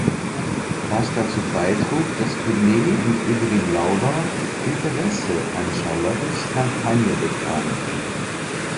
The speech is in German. Was dazu beitrug, dass Penney und Evelyn Lauder Interesse an Charlottes Kampagne bekamen.